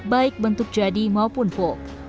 baik bentuk jadi maupun folk